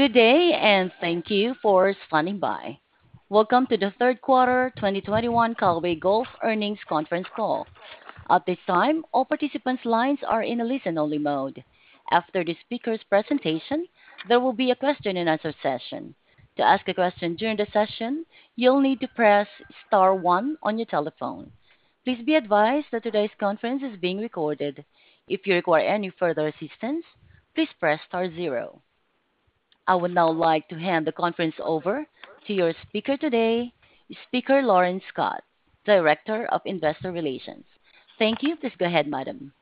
Good day, and thank you for standing by. Welcome to the third quarter 2021 Callaway Golf Earnings Conference Call. At this time, all participants' lines are in a listen-only mode. After the speaker's presentation, there will be a question-and-answer session. To ask a question during the session, you'll need to press star one on your telephone. Please be advised that today's conference is being recorded. If you require any further assistance, please press star zero. I would now like to hand the conference over to your speaker today, Lauren Scott, Director of Investor Relations. Thank you. Please go ahead, madam.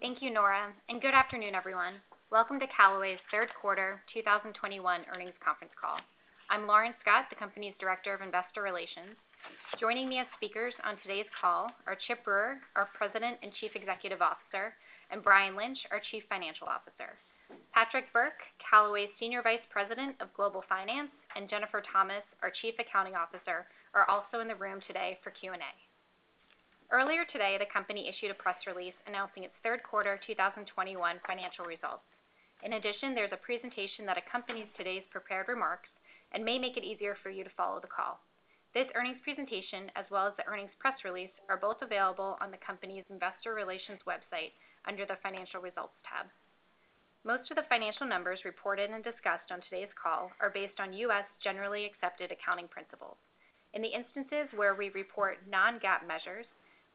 Thank you, Nora, and good afternoon, everyone. Welcome to Callaway's third quarter 2021 earnings conference call. I'm Lauren Scott, the company's Director of Investor Relations. Joining me as speakers on today's call are Chip Brewer, our President and Chief Executive Officer, and Brian Lynch, our Chief Financial Officer. Patrick Burke, Callaway's Senior Vice President of Global Finance, and Jennifer Thomas, our Chief Accounting Officer, are also in the room today for Q&A. Earlier today, the company issued a press release announcing its third quarter 2021 financial results. In addition, there's a presentation that accompanies today's prepared remarks and may make it easier for you to follow the call. This earnings presentation, as well as the earnings press release, are both available on the company's investor relations website under the Financial Results tab. Most of the financial numbers reported and discussed on today's call are based on U.S. generally accepted accounting principles. In the instances where we report non-GAAP measures,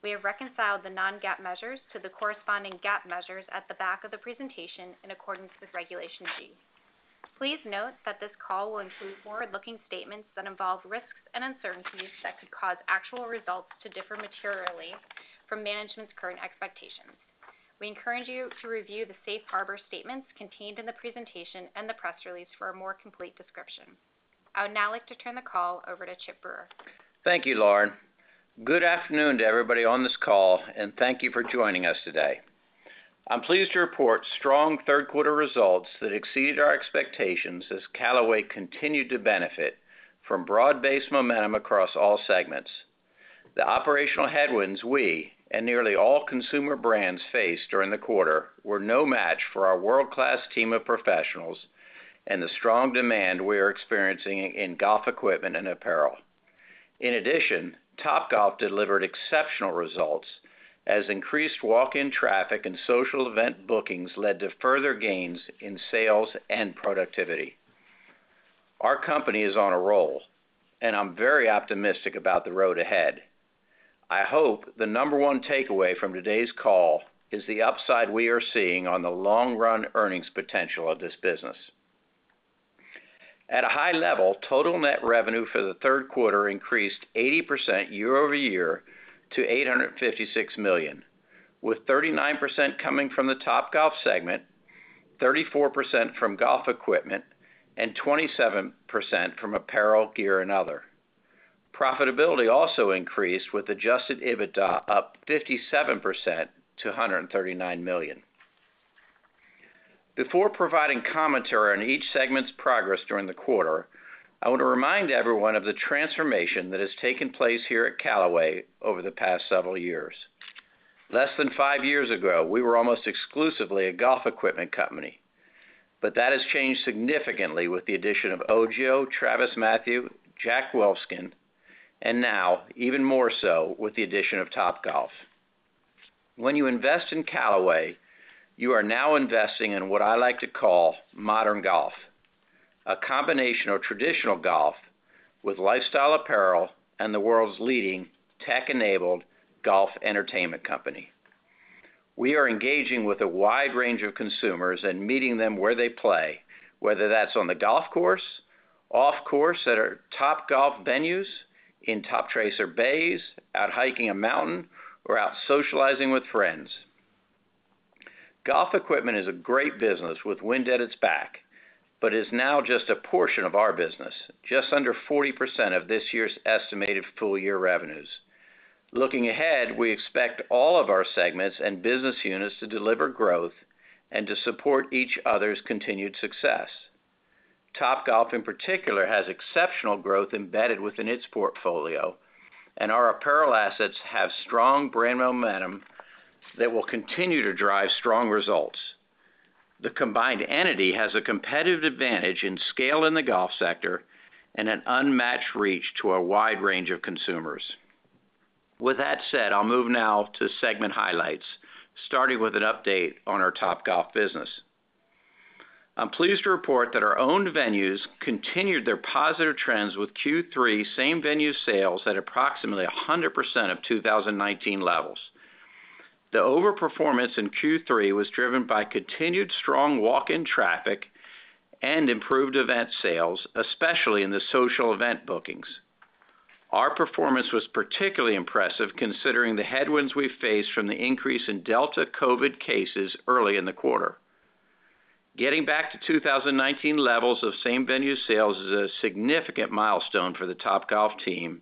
we have reconciled the non-GAAP measures to the corresponding GAAP measures at the back of the presentation in accordance with Regulation G. Please note that this call will include forward-looking statements that involve risks and uncertainties that could cause actual results to differ materially from management's current expectations. We encourage you to review the safe harbor statements contained in the presentation and the press release for a more complete description. I would now like to turn the call over to Chip Brewer. Thank you, Lauren. Good afternoon to everybody on this call, and thank you for joining us today. I'm pleased to report strong third quarter results that exceeded our expectations as Callaway continued to benefit from broad-based momentum across all segments. The operational headwinds we and nearly all consumer brands faced during the quarter were no match for our world-class team of professionals and the strong demand we are experiencing in golf equipment and apparel. In addition, Topgolf delivered exceptional results as increased walk-in traffic and social event bookings led to further gains in sales and productivity. Our company is on a roll, and I'm very optimistic about the road ahead. I hope the number one takeaway from today's call is the upside we are seeing on the long run earnings potential of this business. At a high level, total net revenue for the third quarter increased 80% year-over-year to $856 million, with 39% coming from the Topgolf segment, 34% from golf equipment, and 27% from apparel, gear and other. Profitability also increased with adjusted EBITDA up 57% to $139 million. Before providing commentary on each segment's progress during the quarter, I want to remind everyone of the transformation that has taken place here at Callaway over the past several years. Less than five years ago, we were almost exclusively a golf equipment company, but that has changed significantly with the addition of Ogio, TravisMathew, Jack Wolfskin, and now even more so with the addition of Topgolf. When you invest in Callaway, you are now investing in what I like to call Modern Golf, a combination of traditional golf with lifestyle apparel and the world's leading tech-enabled golf entertainment company. We are engaging with a wide range of consumers and meeting them where they play, whether that's on the golf course, off course at our Topgolf venues, in Toptracer bays, out hiking a mountain or out socializing with friends. Golf equipment is a great business with wind at its back, but is now just a portion of our business, just under 40% of this year's estimated full year revenues. Looking ahead, we expect all of our segments and business units to deliver growth and to support each other's continued success. Topgolf, in particular, has exceptional growth embedded within its portfolio, and our apparel assets have strong brand momentum that will continue to drive strong results. The combined entity has a competitive advantage in scale in the golf sector and an unmatched reach to a wide range of consumers. With that said, I'll move now to segment highlights, starting with an update on our Topgolf business. I'm pleased to report that our owned venues continued their positive trends with Q3 same-venue sales at approximately 100% of 2019 levels. The overperformance in Q3 was driven by continued strong walk-in traffic and improved event sales, especially in the social event bookings. Our performance was particularly impressive considering the headwinds we faced from the increase in Delta COVID cases early in the quarter. Getting back to 2019 levels of same-venue sales is a significant milestone for the Topgolf team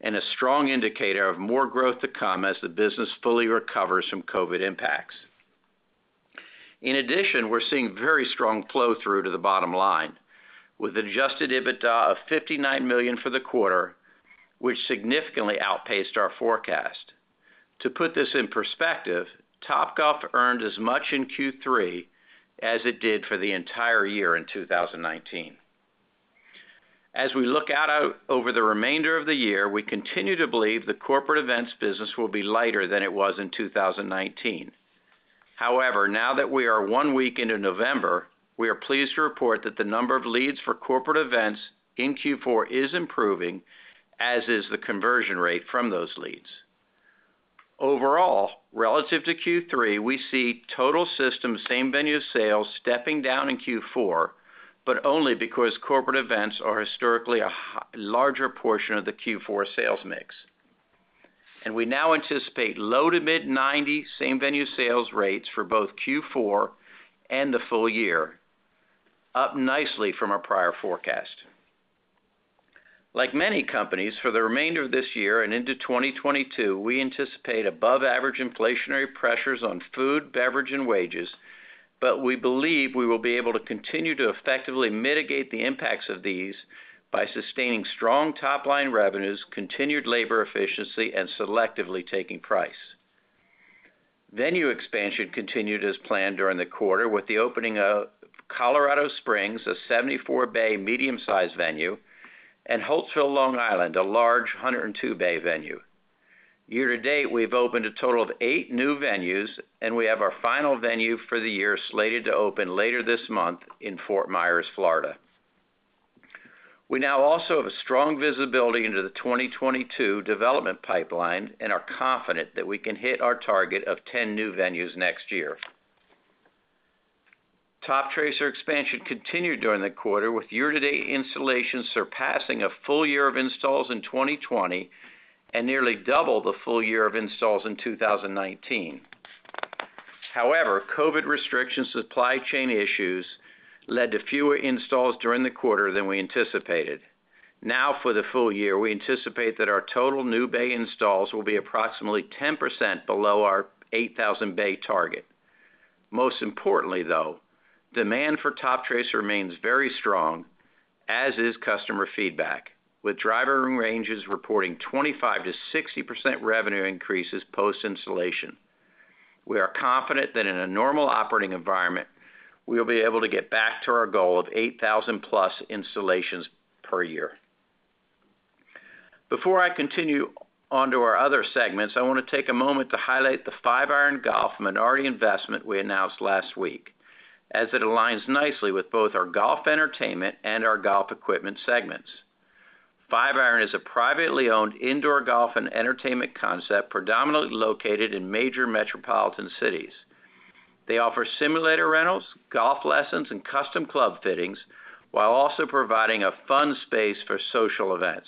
and a strong indicator of more growth to come as the business fully recovers from COVID impacts. In addition, we're seeing very strong flow-through to the bottom line with adjusted EBITDA of $59 million for the quarter, which significantly outpaced our forecast. To put this in perspective, Topgolf earned as much in Q3 as it did for the entire year in 2019. As we look out over the remainder of the year, we continue to believe the corporate events business will be lighter than it was in 2019. However, now that we are one week into November, we are pleased to report that the number of leads for corporate events in Q4 is improving, as is the conversion rate from those leads. Overall, relative to Q3, we see total system same-venue sales stepping down in Q4, but only because corporate events are historically a larger portion of the Q4 sales mix. We now anticipate low- to mid-90s same-venue sales rates for both Q4 and the full year, up nicely from our prior forecast. Like many companies, for the remainder of this year and into 2022, we anticipate above average inflationary pressures on food, beverage, and wages, but we believe we will be able to continue to effectively mitigate the impacts of these by sustaining strong top-line revenues, continued labor efficiency, and selectively taking price. Venue expansion continued as planned during the quarter with the opening of Colorado Springs, a 74-bay medium-sized venue, and Holtsville, Long Island, a large 102-bay venue. Year-to-date, we have opened a total of eight new venues, and we have our final venue for the year slated to open later this month in Fort Myers, Florida. We now also have a strong visibility into the 2022 development pipeline and are confident that we can hit our target of 10 new venues next year. Toptracer expansion continued during the quarter with year-to-date installations surpassing a full year of installs in 2020 and nearly double the full year of installs in 2019. However, COVID restrictions, supply chain issues led to fewer installs during the quarter than we anticipated. Now for the full year, we anticipate that our total new bay installs will be approximately 10% below our 8,000 bay target. Most importantly, though, demand for Toptracer remains very strong, as is customer feedback, with driver ranges reporting 25%-60% revenue increases post-installation. We are confident that in a normal operating environment, we will be able to get back to our goal of 8,000+ installations per year. Before I continue on to our other segments, I want to take a moment to highlight the Five Iron Golf minority investment we announced last week, as it aligns nicely with both our golf entertainment and our golf equipment segments. Five Iron Golf is a privately owned indoor golf and entertainment concept predominantly located in major metropolitan cities. They offer simulator rentals, golf lessons, and custom club fittings while also providing a fun space for social events.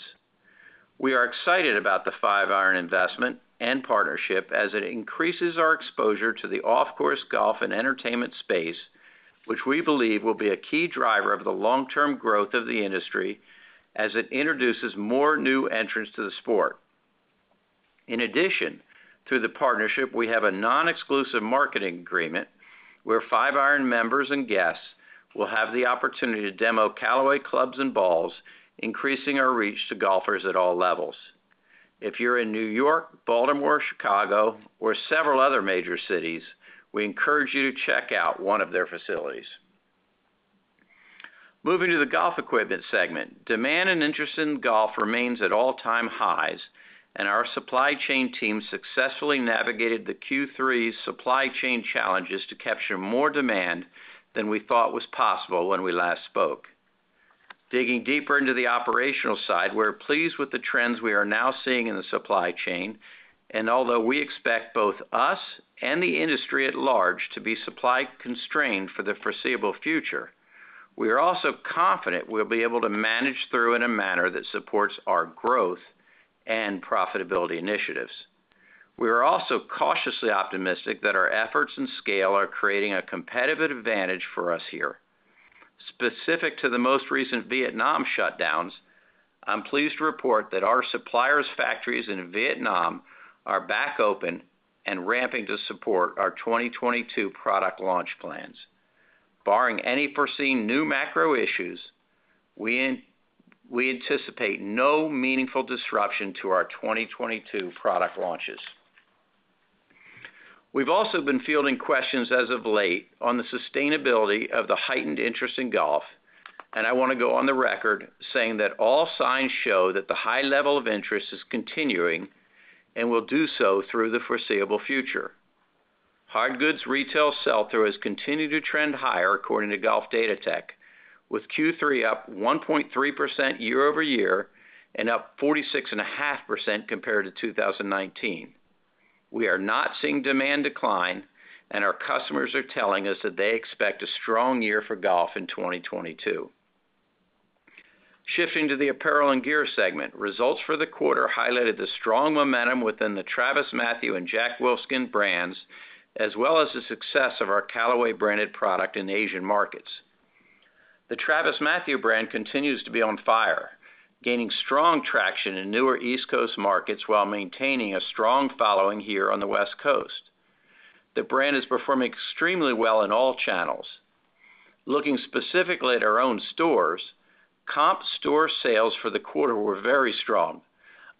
We are excited about the Five Iron Golf investment and partnership as it increases our exposure to the off-course golf and entertainment space, which we believe will be a key driver of the long-term growth of the industry as it introduces more new entrants to the sport. In addition, through the partnership, we have a non-exclusive marketing agreement where Five Iron members and guests will have the opportunity to demo Callaway clubs and balls, increasing our reach to golfers at all levels. If you're in New York, Baltimore, Chicago, or several other major cities, we encourage you to check out one of their facilities. Moving to the golf equipment segment, demand and interest in golf remains at all-time highs, and our supply chain team successfully navigated the Q3 supply chain challenges to capture more demand than we thought was possible when we last spoke. Digging deeper into the operational side, we're pleased with the trends we are now seeing in the supply chain. Although we expect both us and the industry at large to be supply constrained for the foreseeable future, we are also confident we'll be able to manage through in a manner that supports our growth and profitability initiatives. We are also cautiously optimistic that our efforts and scale are creating a competitive advantage for us here. Specific to the most recent Vietnam shutdowns, I'm pleased to report that our suppliers' factories in Vietnam are back open and ramping to support our 2022 product launch plans. Barring any foreseen new macro issues, we anticipate no meaningful disruption to our 2022 product launches. We've also been fielding questions as of late on the sustainability of the heightened interest in golf, and I wanna go on the record saying that all signs show that the high level of interest is continuing and will do so through the foreseeable future. Hard goods retail sell-through has continued to trend higher according to Golf Datatech, with Q3 up 1.3% year-over-year and up 46.5% compared to 2019. We are not seeing demand decline, and our customers are telling us that they expect a strong year for golf in 2022. Shifting to the apparel and gear segment, results for the quarter highlighted the strong momentum within the TravisMathew and Jack Wolfskin brands, as well as the success of our Callaway branded product in the Asian markets. The TravisMathew brand continues to be on fire, gaining strong traction in newer East Coast markets while maintaining a strong following here on the West Coast. The brand is performing extremely well in all channels. Looking specifically at our own stores, comp store sales for the quarter were very strong,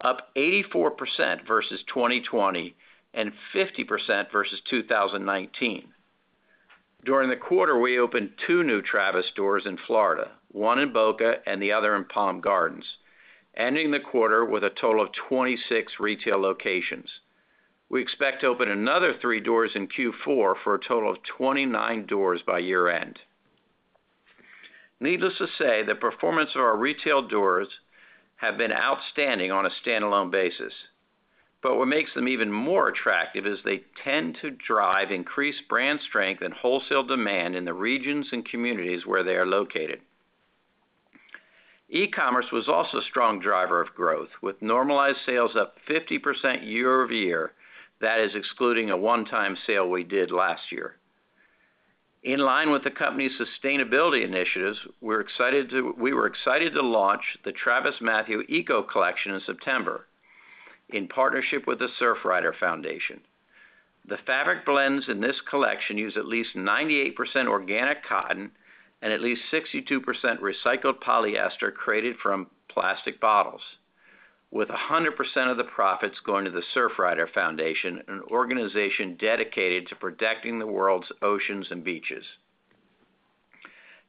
up 84% versus 2020 and 50% versus 2019. During the quarter, we opened two new TravisMathew stores in Florida, one in Boca and the other in Palm Beach Gardens, ending the quarter with a total of 26 retail locations. We expect to open another three doors in Q4 for a total of 29 doors by year-end. Needless to say, the performance of our retail doors have been outstanding on a standalone basis, but what makes them even more attractive is they tend to drive increased brand strength and wholesale demand in the regions and communities where they are located. E-commerce was also a strong driver of growth, with normalized sales up 50% year-over-year. That is excluding a one-time sale we did last year. In line with the company's sustainability initiatives, we were excited to launch the TravisMathew Eco Collection in September in partnership with the Surfrider Foundation. The fabric blends in this collection use at least 98% organic cotton and at least 62% recycled polyester created from plastic bottles, with 100% of the profits going to the Surfrider Foundation, an organization dedicated to protecting the world's oceans and beaches.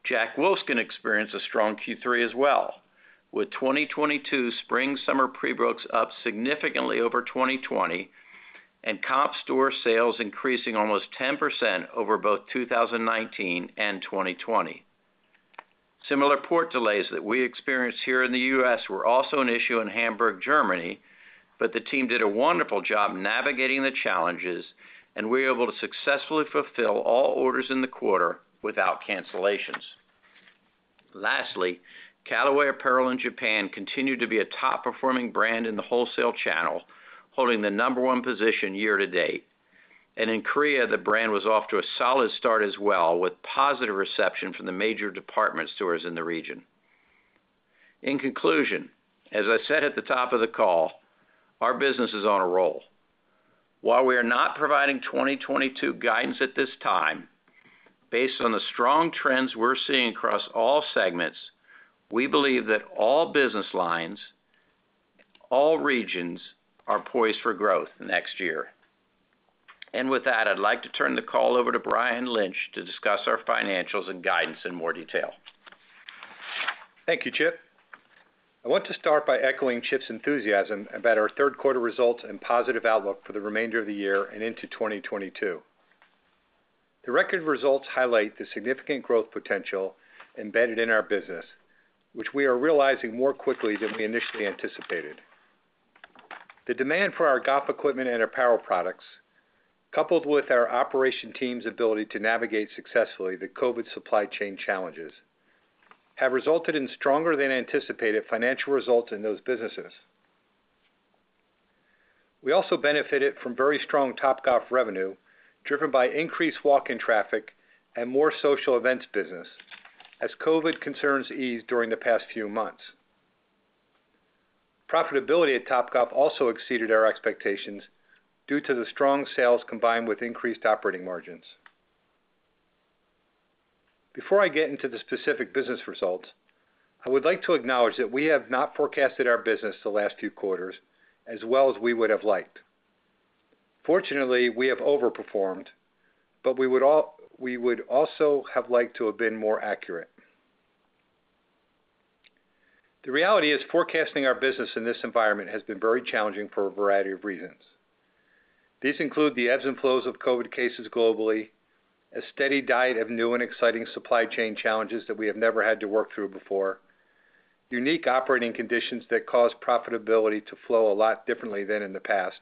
Jack Wolfskin experienced a strong Q3 as well, with 2022 spring-summer pre-books up significantly over 2020 and comp store sales increasing almost 10% over both 2019 and 2020. Similar port delays that we experienced here in the U.S. were also an issue in Hamburg, Germany, but the team did a wonderful job navigating the challenges, and we were able to successfully fulfill all orders in the quarter without cancellations. Lastly, Callaway Apparel in Japan continued to be a top-performing brand in the wholesale channel, holding the number one position year-to-date. In Korea, the brand was off to a solid start as well, with positive reception from the major department stores in the region. In conclusion, as I said at the top of the call, our business is on a roll. While we are not providing 2022 guidance at this time, based on the strong trends we're seeing across all segments, we believe that all business lines, all regions are poised for growth next year. With that, I'd like to turn the call over to Brian Lynch to discuss our financials and guidance in more detail. Thank you, Chip. I want to start by echoing Chip's enthusiasm about our third quarter results and positive outlook for the remainder of the year and into 2022. The record results highlight the significant growth potential embedded in our business, which we are realizing more quickly than we initially anticipated. The demand for our golf equipment and apparel products, coupled with our operation team's ability to navigate successfully the COVID supply chain challenges, have resulted in stronger than anticipated financial results in those businesses. We also benefited from very strong Topgolf revenue, driven by increased walk-in traffic and more social events business as COVID concerns eased during the past few months. Profitability at Topgolf also exceeded our expectations due to the strong sales combined with increased operating margins. Before I get into the specific business results, I would like to acknowledge that we have not forecasted our business the last few quarters as well as we would have liked. Fortunately, we have overperformed, but we would also have liked to have been more accurate. The reality is forecasting our business in this environment has been very challenging for a variety of reasons. These include the ebbs and flows of COVID cases globally, a steady diet of new and exciting supply chain challenges that we have never had to work through before, unique operating conditions that cause profitability to flow a lot differently than in the past,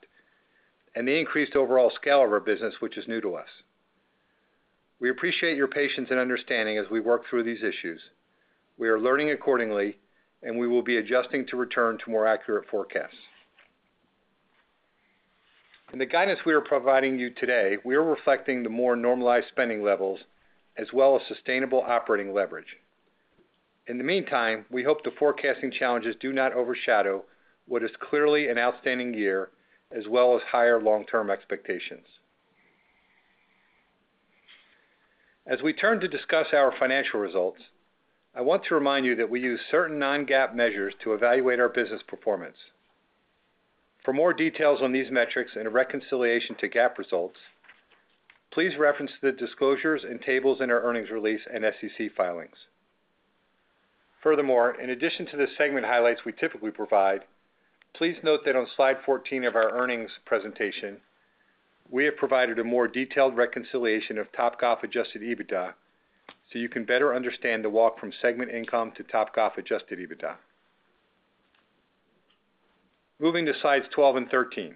and the increased overall scale of our business, which is new to us. We appreciate your patience and understanding as we work through these issues. We are learning accordingly, and we will be adjusting to return to more accurate forecasts. In the guidance we are providing you today, we are reflecting the more normalized spending levels as well as sustainable operating leverage. In the meantime, we hope the forecasting challenges do not overshadow what is clearly an outstanding year as well as higher long-term expectations. As we turn to discuss our financial results, I want to remind you that we use certain non-GAAP measures to evaluate our business performance. For more details on these metrics and a reconciliation to GAAP results, please reference the disclosures and tables in our earnings release and SEC filings. Furthermore, in addition to the segment highlights we typically provide, please note that on slide 14 of our earnings presentation, we have provided a more detailed reconciliation of Topgolf adjusted EBITDA so you can better understand the walk from segment income to Topgolf adjusted EBITDA. Moving to slides 12 and 13.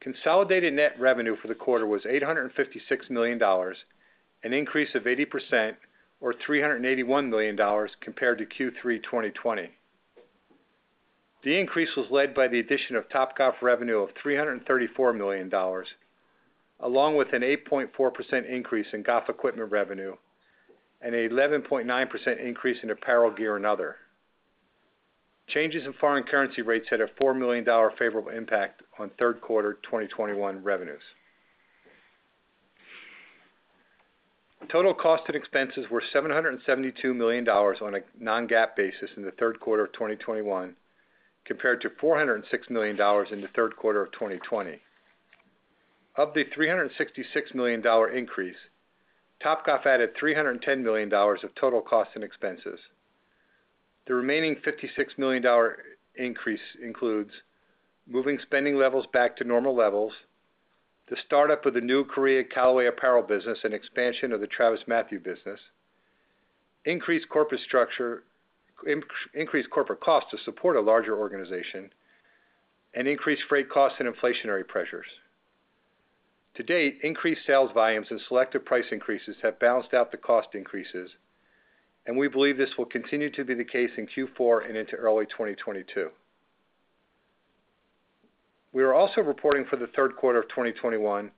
Consolidated net revenue for the quarter was $856 million, an increase of 80% or $381 million compared to Q3 2020. The increase was led by the addition of Topgolf revenue of $334 million, along with an 8.4% increase in golf equipment revenue and an 11.9% increase in apparel gear and other. Changes in foreign currency rates had a $4 million favorable impact on third quarter 2021 revenues. Total cost and expenses were $772 million on a non-GAAP basis in the third quarter of 2021, compared to $406 million in the third quarter of 2020. Of the $366 million increase, Topgolf added $310 million of total costs and expenses. The remaining $56 million increase includes moving spending levels back to normal levels, the startup of the new Korea Callaway apparel business and expansion of the TravisMathew business, increased corporate structure, increased corporate costs to support a larger organization, and increased freight costs and inflationary pressures. To date, increased sales volumes and selective price increases have balanced out the cost increases, and we believe this will continue to be the case in Q4 and into early 2022. We are also reporting for the third quarter of 2021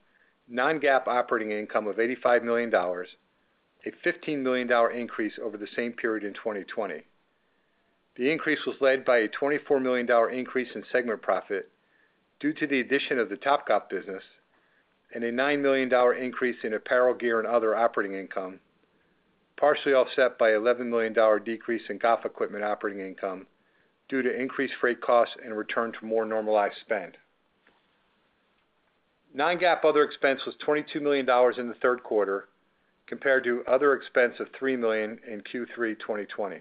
non-GAAP operating income of $85 million, a $15 million increase over the same period in 2020. The increase was led by a $24 million increase in segment profit due to the addition of the Topgolf business and a $9 million increase in apparel gear and other operating income, partially offset by $11 million decrease in golf equipment operating income due to increased freight costs and return to more normalized spend. non-GAAP other expense was $22 million in the third quarter compared to other expense of $3 million in Q3 2020.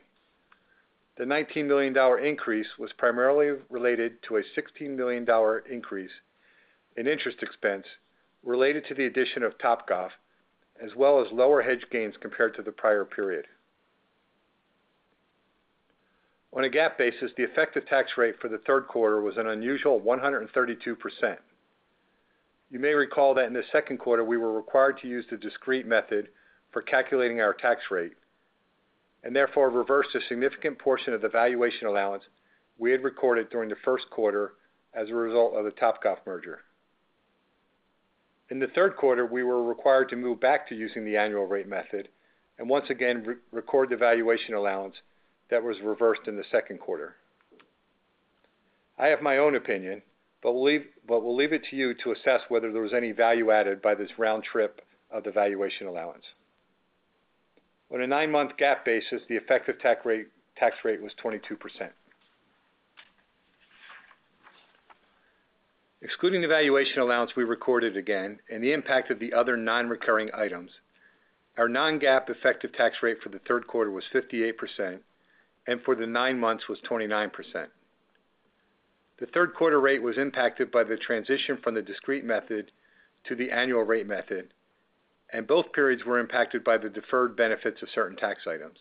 The $19 million increase was primarily related to a $16 million increase in interest expense related to the addition of Topgolf, as well as lower hedge gains compared to the prior period. On a GAAP basis, the effective tax rate for the third quarter was an unusual 132%. You may recall that in the second quarter we were required to use the discrete method for calculating our tax rate, and therefore reversed a significant portion of the valuation allowance we had recorded during the first quarter as a result of the Topgolf merger. In the third quarter, we were required to move back to using the annual rate method and once again re-record the valuation allowance that was reversed in the second quarter. I have my own opinion, but will leave it to you to assess whether there was any value added by this round trip of the valuation allowance. On a nine-month GAAP basis, the effective tax rate was 22%. Excluding the valuation allowance we recorded again and the impact of the other non-recurring items, our non-GAAP effective tax rate for the third quarter was 58% and for the nine months was 29%. The third quarter rate was impacted by the transition from the discrete method to the annual rate method, and both periods were impacted by the deferred benefits of certain tax items.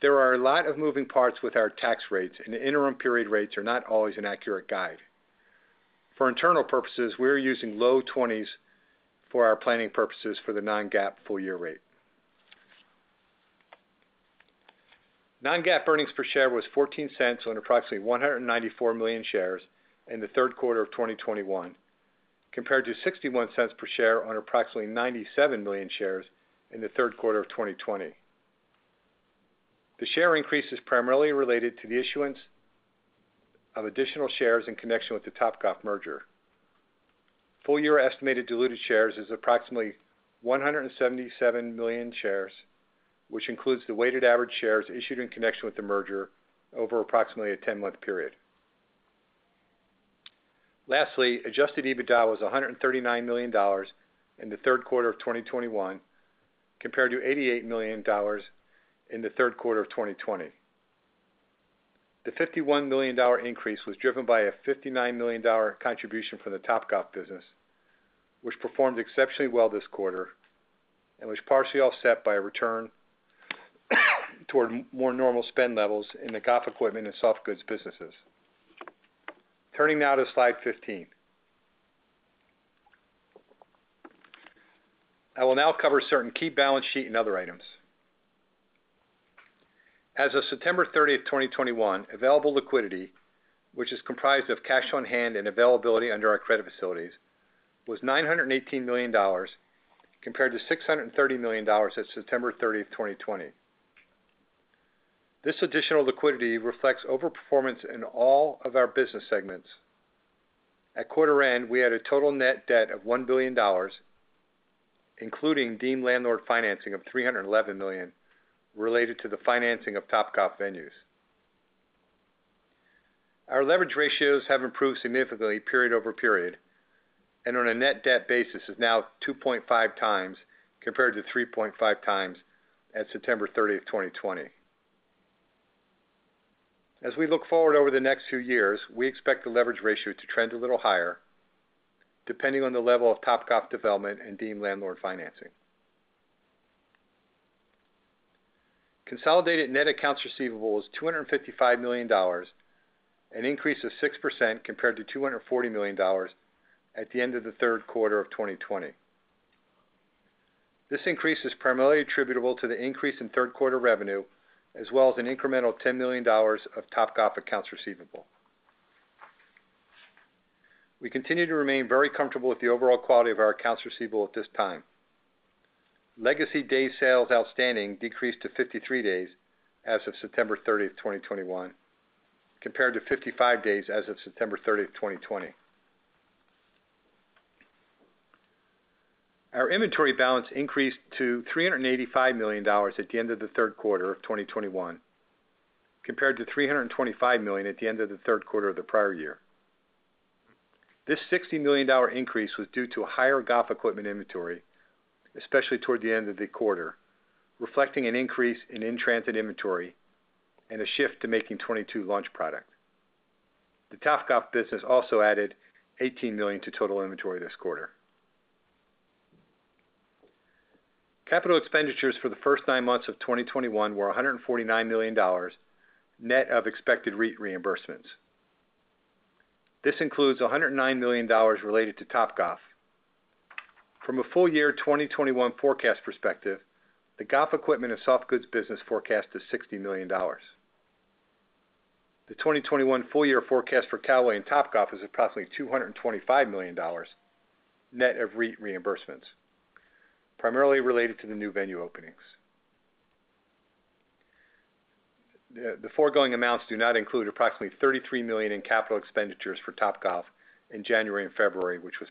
There are a lot of moving parts with our tax rates, and the interim period rates are not always an accurate guide. For internal purposes, we're using low 20s for our planning purposes for the non-GAAP full year rate. Non-GAAP earnings per share was $0.14 on approximately 194 million shares in the third quarter of 2021, compared to $0.61 per share on approximately 97 million shares in the third quarter of 2020. The share increase is primarily related to the issuance of additional shares in connection with the Topgolf merger. Full year estimated diluted shares is approximately 177 million shares, which includes the weighted average shares issued in connection with the merger over approximately a 10-month period. Lastly, adjusted EBITDA was $139 million in the third quarter of 2021, compared to $88 million in the third quarter of 2020. The $51 million increase was driven by a $59 million contribution from the Topgolf business, which performed exceptionally well this quarter and was partially offset by a return toward more normal spend levels in the golf equipment and soft goods businesses. Turning now to slide 15. I will now cover certain key balance sheet and other items. As of September 30, 2021, available liquidity, which is comprised of cash on hand and availability under our credit facilities, was $918 million, compared to $630 million as of September 30, 2020. This additional liquidity reflects overperformance in all of our business segments. At quarter end, we had a total net debt of $1 billion, including deemed landlord financing of $311 million related to the financing of Topgolf venues. Our leverage ratios have improved significantly period-over-period and on a net debt basis is now 2.5x compared to 3.5x at September 30, 2020. As we look forward over the next few years, we expect the leverage ratio to trend a little higher, depending on the level of Topgolf development and deemed landlord financing. Consolidated net accounts receivable is $255 million, an increase of 6% compared to $240 million at the end of the third quarter of 2020. This increase is primarily attributable to the increase in third quarter revenue, as well as an incremental $10 million of Topgolf accounts receivable. We continue to remain very comfortable with the overall quality of our accounts receivable at this time. Legacy days sales outstanding decreased to 53 days as of September 30, 2021, compared to 55 days as of September 30, 2020. Our inventory balance increased to $385 million at the end of the third quarter of 2021, compared to $325 million at the end of the third quarter of the prior year. This $60 million increase was due to a higher golf equipment inventory, especially toward the end of the quarter, reflecting an increase in transit inventory and a shift to making 2022 launch product. The Topgolf business also added $18 million to total inventory this quarter. Capital expenditures for the first nine months of 2021 were $149 million, net of expected REIT reimbursements. This includes $109 million related to Topgolf. From a full year 2021 forecast perspective, the golf equipment and soft goods business forecast is $60 million. The 2021 full year forecast for Callaway and Topgolf is approximately $225 million, net of REIT reimbursements, primarily related to the new venue openings. The foregoing amounts do not include approximately $33 million in capital expenditures for Topgolf in January and February, which was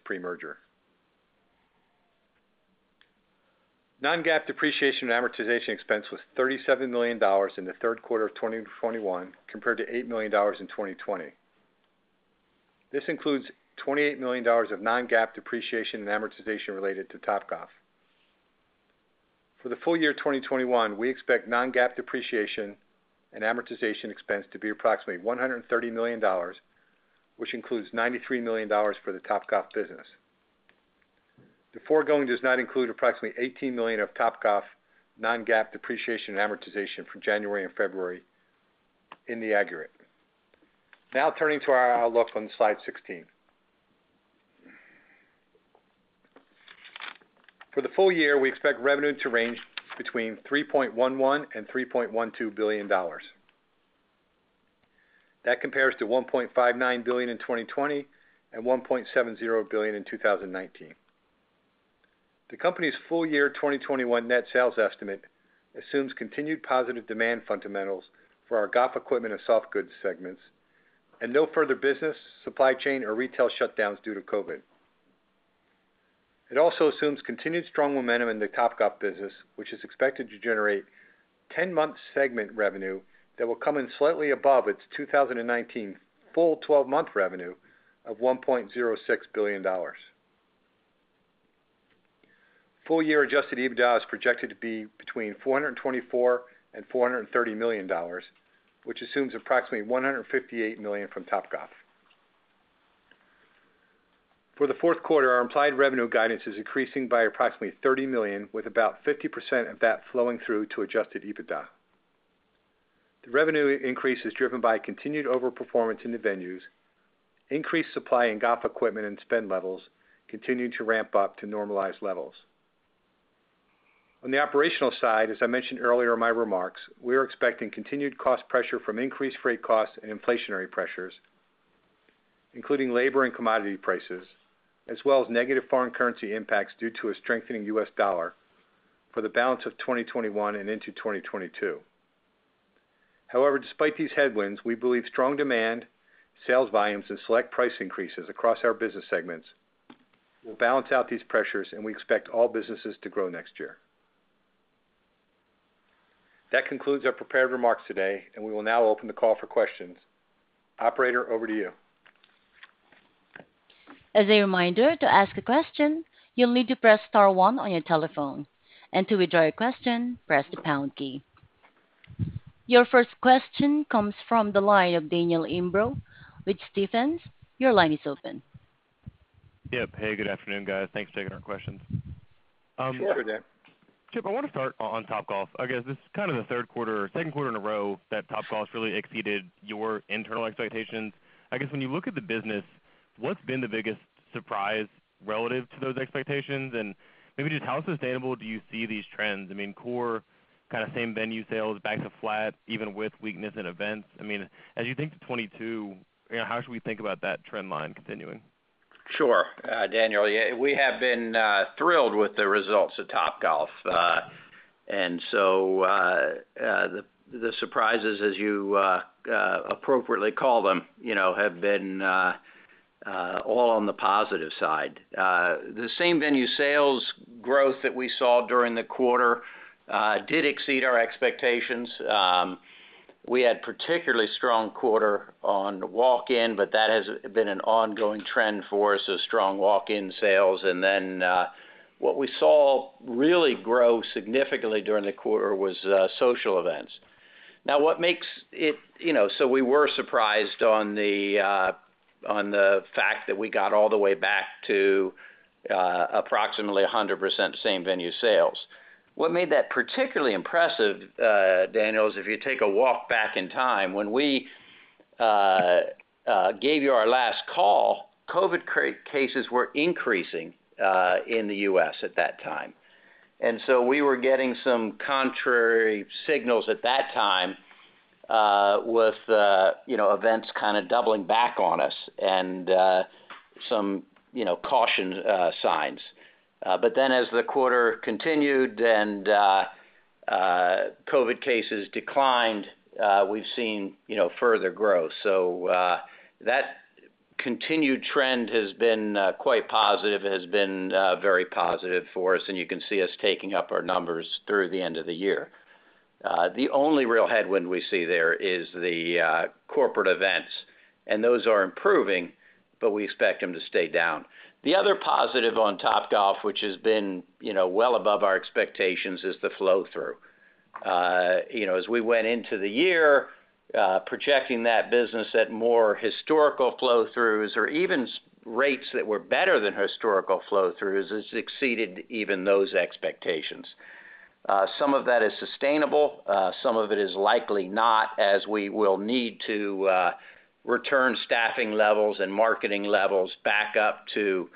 pre-merger. non-GAAP depreciation and amortization expense was $37 million in the third quarter of 2021, compared to $8 million in 2020. This includes $28 million of non-GAAP depreciation and amortization related to Topgolf. For the full year 2021, we expect non-GAAP depreciation and amortization expense to be approximately $130 million, which includes $93 million for the Topgolf business. The foregoing does not include approximately $18 million of Topgolf non-GAAP depreciation and amortization from January and February in the aggregate. Now turning to our outlook on slide 16. For the full year, we expect revenue to range between $3.11 billion and $3.12 billion. That compares to $1.59 billion in 2020 and $1.70 billion in 2019. The company's full year 2021 net sales estimate assumes continued positive demand fundamentals for our golf equipment and soft goods segments and no further business, supply chain, or retail shutdowns due to COVID. It also assumes continued strong momentum in the Topgolf business, which is expected to generate 10-month segment revenue that will come in slightly above its 2019 full 12-month revenue of $1.06 billion. Full year adjusted EBITDA is projected to be between $424 million and $430 million, which assumes approximately $158 million from Topgolf. For the fourth quarter, our implied revenue guidance is increasing by approximately $30 million, with about 50% of that flowing through to adjusted EBITDA. The revenue increase is driven by continued overperformance in the venues, increased supply in golf equipment and spend levels continuing to ramp up to normalized levels. On the operational side, as I mentioned earlier in my remarks, we are expecting continued cost pressure from increased freight costs and inflationary pressures, including labor and commodity prices, as well as negative foreign currency impacts due to a strengthening U.S. dollar for the balance of 2021 and into 2022. However, despite these headwinds, we believe strong demand, sales volumes, and select price increases across our business segments will balance out these pressures, and we expect all businesses to grow next year. That concludes our prepared remarks today, and we will now open the call for questions. Operator, over to you. As a reminder, to ask a question, you'll need to press star one on your telephone. To withdraw your question, press the pound key. Your first question comes from the line of Daniel Imbro with Stephens. Your line is open. Yep. Hey, good afternoon, guys. Thanks for taking our questions. Sure, Dan. Chip, I wanna start on Topgolf. I guess this is kind of the third quarter or second quarter in a row that Topgolf really exceeded your internal expectations. I guess, when you look at the business, what's been the biggest surprise relative to those expectations? Maybe just how sustainable do you see these trends? I mean, core kinda same-venue sales back to flat, even with weakness in events. I mean, as you think to 2022, you know, how should we think about that trend line continuing? Sure, Daniel. Yeah, we have been thrilled with the results of Topgolf. The surprises as you appropriately call them, you know, have been all on the positive side. The same-venue sales growth that we saw during the quarter did exceed our expectations. We had particularly strong quarter on walk-in, but that has been an ongoing trend for us, is strong walk-in sales. What we saw really grow significantly during the quarter was social events. You know, we were surprised on the fact that we got all the way back to approximately 100% same-venue sales. What made that particularly impressive, Daniel, is if you take a walk back in time, when we gave you our last call, COVID cases were increasing in the U.S. at that time. We were getting some contrary signals at that time. With you know, events kind of doubling back on us and some you know, caution signs. As the quarter continued and COVID cases declined, we've seen you know, further growth. That continued trend has been quite positive. It has been very positive for us, and you can see us taking up our numbers through the end of the year. The only real headwind we see there is the corporate events, and those are improving, but we expect them to stay down. The other positive on Topgolf, which has been you know, well above our expectations, is the flow-through. You know, as we went into the year projecting that business at more historical flow-throughs or even s-rates that were better than historical flow-throughs, it's exceeded even those expectations. Some of that is sustainable. Some of it is likely not, as we will need to return staffing levels and marketing levels back up to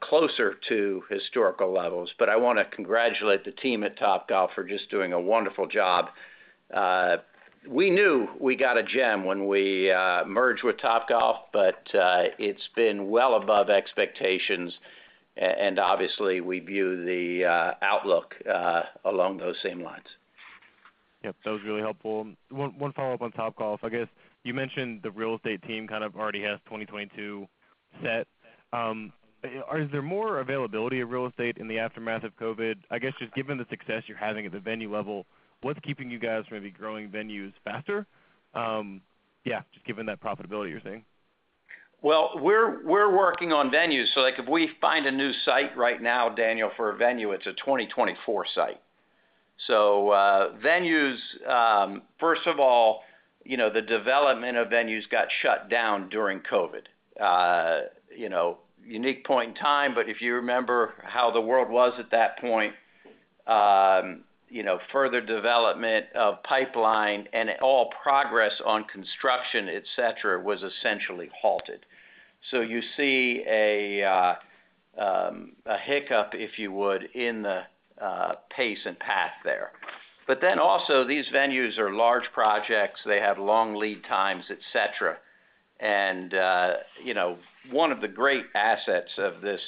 closer to historical levels. I wanna congratulate the team at Topgolf for just doing a wonderful job. We knew we got a gem when we merged with Topgolf, but it's been well above expectations. Obviously, we view the outlook along those same lines. Yep, that was really helpful. One follow-up on Topgolf. I guess you mentioned the real estate team kind of already has 2022 set. Are there more availability of real estate in the aftermath of COVID? I guess, just given the success you're having at the venue level, what's keeping you guys maybe growing venues faster, yeah, just given that profitability you're seeing? Well, we're working on venues, so like if we find a new site right now, Daniel, for a venue, it's a 2024 site. Venues, first of all, you know, the development of venues got shut down during COVID. You know, unique point in time, but if you remember how the world was at that point, you know, further development of pipeline and all progress on construction, et cetera, was essentially halted. You see a hiccup, if you would, in the pace and path there. But then also, these venues are large projects. They have long lead times, et cetera. You know, one of the great assets of this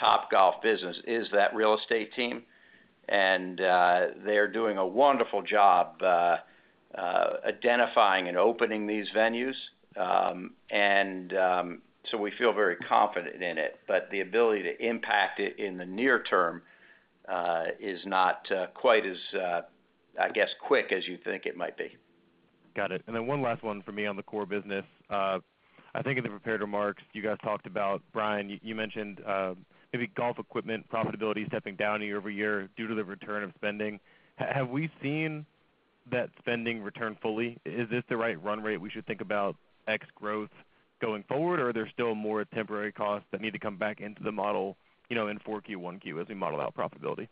Topgolf business is that real estate team, and they are doing a wonderful job identifying and opening these venues. We feel very confident in it, but the ability to impact it in the near term is not quite as, I guess, quick as you think it might be. Got it. Then one last one for me on the core business. I think in the prepared remarks you guys talked about, Brian, you mentioned maybe golf equipment profitability stepping down year-over-year due to the return of spending. Have we seen that spending return fully? Is this the right run rate we should think about X growth going forward, or are there still more temporary costs that need to come back into the model, you know, in Q4, Q1 as we model out profitability?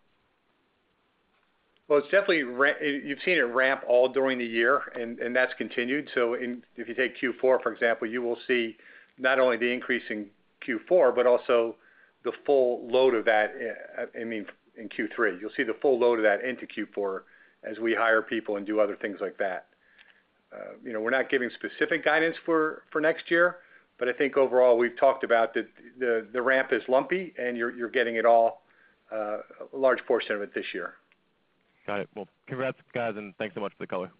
Well, you've seen it ramp all during the year and that's continued. If you take Q4, for example, you will see not only the increase in Q4, but also the full load of that, I mean, in Q3. You'll see the full load of that into Q4 as we hire people and do other things like that. You know, we're not giving specific guidance for next year, but I think overall we've talked about the ramp is lumpy and you're getting it all, a large portion of it this year. Got it. Well, congrats, guys, and thanks so much for the color.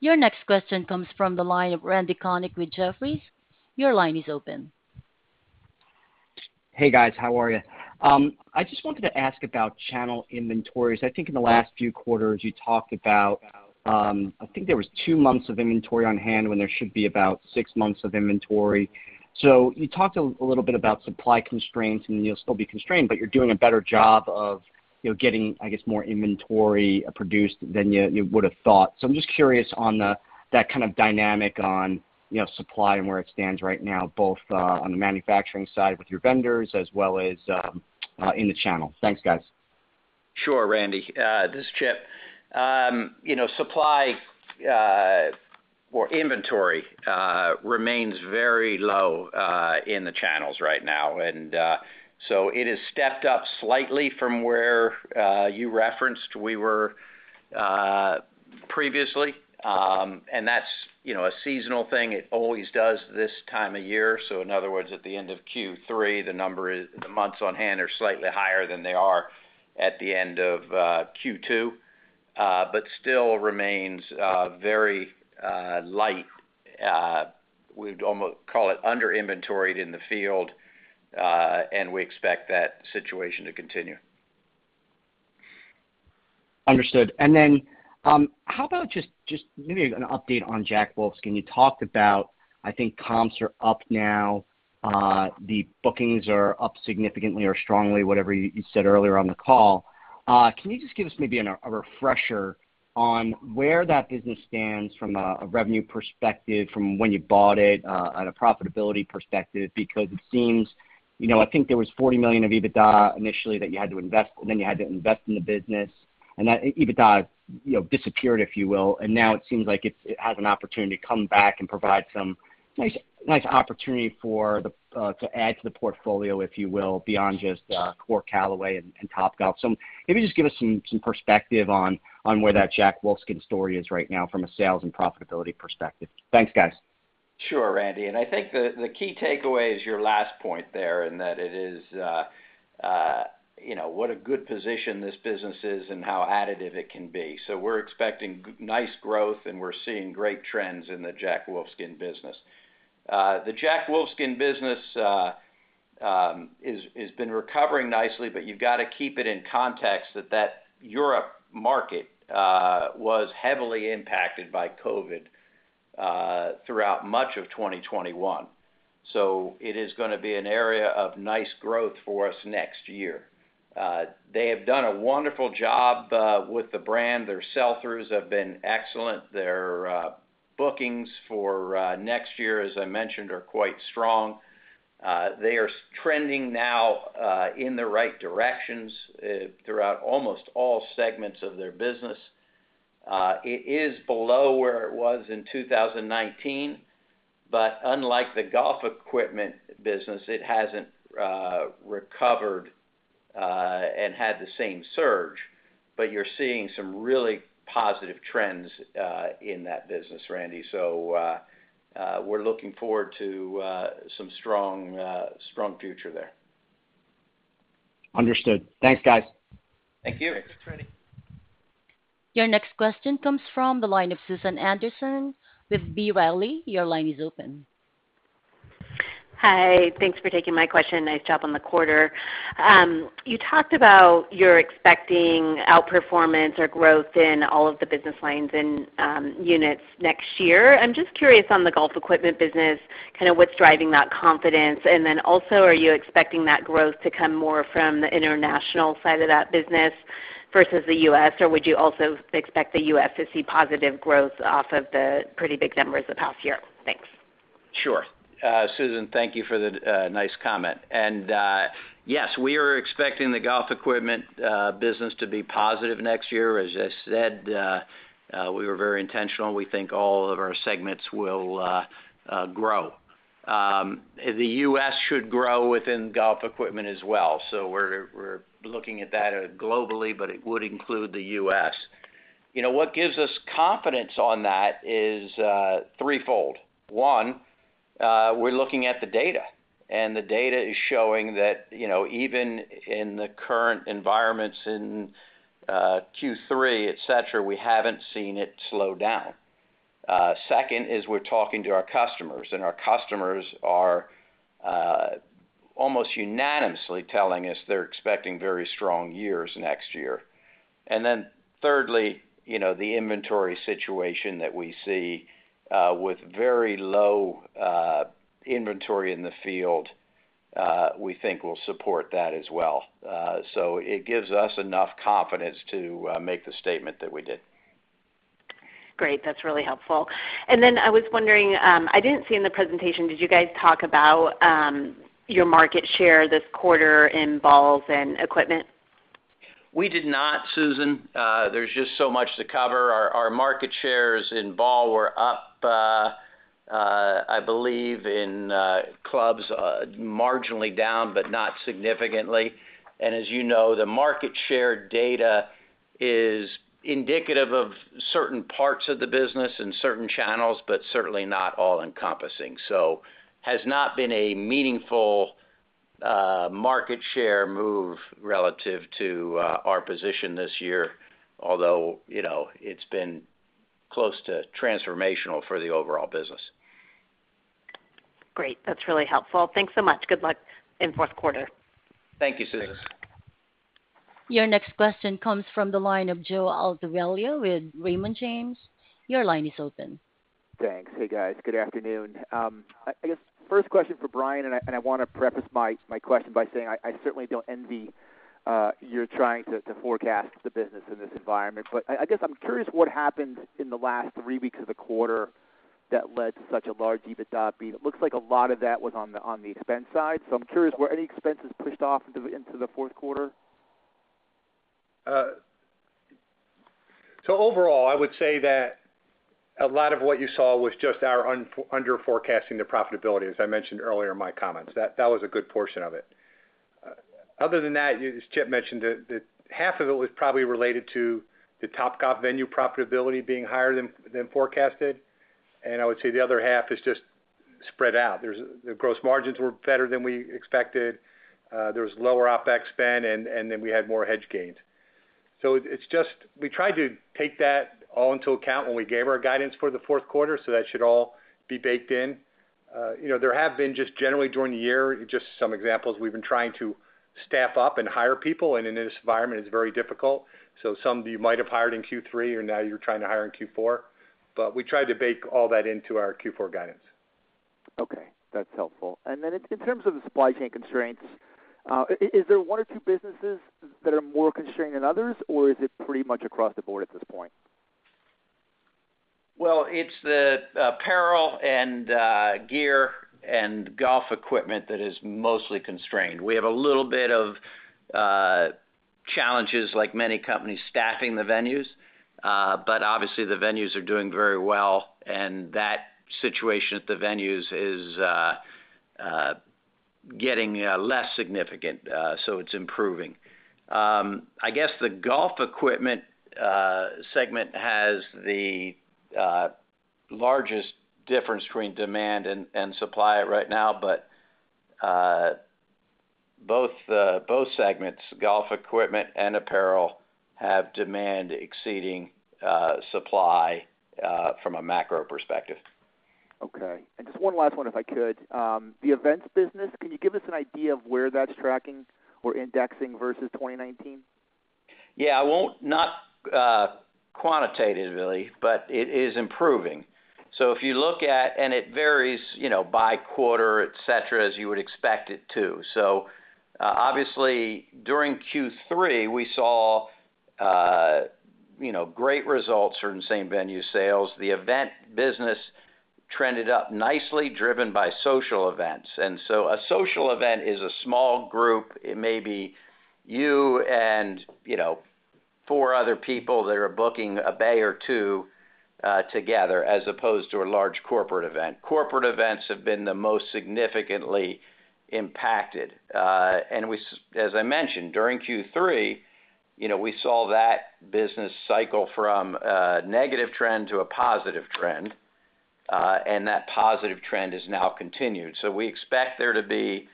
Your next question comes from the line of Randy Konik with Jefferies. Your line is open. Hey, guys. How are you? I just wanted to ask about channel inventories. I think in the last few quarters you talked about, I think there was two months of inventory on hand when there should be about six months of inventory. You talked a little bit about supply constraints, and you'll still be constrained, but you're doing a better job of, you know, getting, I guess, more inventory produced than you would've thought. I'm just curious on that kind of dynamic on, you know, supply and where it stands right now, both on the manufacturing side with your vendors as well as in the channel. Thanks, guys. Sure, Randy. This is Chip. You know, supply or inventory remains very low in the channels right now. It has stepped up slightly from where you referenced we were previously. That's a seasonal thing. It always does this time of year. In other words, at the end of Q3, the months on hand are slightly higher than they are at the end of Q2, but still remains very light. We'd almost call it under inventoried in the field, and we expect that situation to continue. Understood. How about just maybe an update on Jack Wolfskin? Can you talk about? I think comps are up now. The bookings are up significantly or strongly, whatever you said earlier on the call. Can you just give us maybe a refresher on where that business stands from a revenue perspective from when you bought it, on a profitability perspective? Because it seems, you know, I think there was 40 million of EBITDA initially that you had to invest. Then you had to invest in the business. That EBITDA, you know, disappeared, if you will. Now it seems like it has an opportunity to come back and provide some nice opportunity to add to the portfolio, if you will, beyond just core Callaway and Topgolf. Maybe just give us some perspective on where that Jack Wolfskin story is right now from a sales and profitability perspective. Thanks, guys. Sure, Randy. I think the key takeaway is your last point there, in that it is, you know, what a good position this business is and how additive it can be. We're expecting nice growth, and we're seeing great trends in the Jack Wolfskin business. The Jack Wolfskin business has been recovering nicely, but you've gotta keep it in context that the European market was heavily impacted by COVID throughout much of 2021. It is gonna be an area of nice growth for us next year. They have done a wonderful job with the brand. Their sell-throughs have been excellent. Their bookings for next year, as I mentioned, are quite strong. They are trending now in the right directions throughout almost all segments of their business. It is below where it was in 2019, but unlike the golf equipment business, it hasn't recovered and had the same surge, but you're seeing some really positive trends in that business, Randy. We're looking forward to some strong future there. Understood. Thanks, guys. Thank you. Thanks, Randy. Your next question comes from the line of Susan Anderson with B. Riley. Your line is open. Hi. Thanks for taking my question. Nice job on the quarter. You talked about you're expecting outperformance or growth in all of the business lines and units next year. I'm just curious on the golf equipment business, kinda what's driving that confidence. Then also, are you expecting that growth to come more from the international side of that business versus the U.S., or would you also expect the U.S. to see positive growth off of the pretty big numbers the past year? Thanks. Sure. Susan, thank you for the nice comment. Yes, we are expecting the golf equipment business to be positive next year. As I said, we were very intentional, and we think all of our segments will grow. The U.S. should grow within golf equipment as well, so we're looking at that globally, but it would include the U.S. You know, what gives us confidence on that is threefold. One, we're looking at the data, and the data is showing that, you know, even in the current environments in Q3, et cetera, we haven't seen it slow down. Second is we're talking to our customers, and our customers are almost unanimously telling us they're expecting very strong years next year. Thirdly, you know, the inventory situation that we see with very low inventory in the field, we think will support that as well. It gives us enough confidence to make the statement that we did. Great. That's really helpful. I was wondering, I didn't see in the presentation, did you guys talk about, your market share this quarter in balls and equipment? We did not, Susan. There's just so much to cover. Our market shares in ball were up, I believe, in clubs marginally down but not significantly. As you know, the market share data is indicative of certain parts of the business and certain channels but certainly not all-encompassing. It has not been a meaningful market share move relative to our position this year, although, you know, it's been close to transformational for the overall business. Great. That's really helpful. Thanks so much. Good luck in fourth quarter. Thank you, Susan. Your next question comes from the line of Joe Altobello with Raymond James. Your line is open. Thanks. Hey, guys. Good afternoon. I guess first question for Brian, and I wanna preface my question by saying I certainly don't envy your trying to forecast the business in this environment. I guess I'm curious what happened in the last three weeks of the quarter that led to such a large EBITDA beat. It looks like a lot of that was on the expense side, so I'm curious, were any expenses pushed off into the fourth quarter? So overall, I would say that a lot of what you saw was just our under-forecasting the profitability, as I mentioned earlier in my comments. That was a good portion of it. Other than that, as Chip mentioned, the half of it was probably related to the Topgolf venue profitability being higher than forecasted, and I would say the other half is just spread out. The gross margins were better than we expected. There was lower OpEx spend, and then we had more hedge gains. It's just we tried to take that all into account when we gave our guidance for the fourth quarter, so that should all be baked in. You know, there have been just generally during the year, just some examples, we've been trying to staff up and hire people, and in this environment, it's very difficult. Some you might have hired in Q3, and now you're trying to hire in Q4. We tried to bake all that into our Q4 guidance. Okay, that's helpful. In terms of the supply chain constraints, is there one or two businesses that are more constrained than others, or is it pretty much across the board at this point? Well, it's the apparel and gear and golf equipment that is mostly constrained. We have a little bit of challenges like many companies staffing the venues, but obviously the venues are doing very well and that situation at the venues is getting less significant, so it's improving. I guess the golf equipment segment has the largest difference between demand and supply right now. Both segments, golf equipment and apparel, have demand exceeding supply from a macro perspective. Okay. Just one last one if I could. The events business, can you give us an idea of where that's tracking or indexing versus 2019? Not quantitative really, but it is improving. If you look at it varies, you know, by quarter, et cetera, as you would expect it to. Obviously, during Q3, we saw great results from same-venue sales. The event business trended up nicely, driven by social events. A social event is a small group. It may be you and four other people that are booking a bay or two together as opposed to a large corporate event. Corporate events have been the most significantly impacted. As I mentioned, during Q3, we saw that business cycle from a negative trend to a positive trend, and that positive trend is now continued. We expect there to be